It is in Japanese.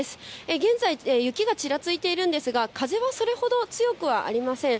現在、雪がちらついているんですが、風はそれほど強くはありません。